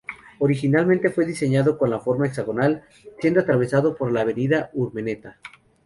Originalmente fue diseñado con una forma hexagonal, siendo atravesado por la Avenida Urmeneta.